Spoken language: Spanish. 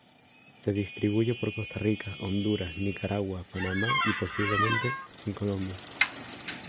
Se distribuye por Costa Rica, Honduras, Nicaragua, Panamá y, posiblemente, en Colombia.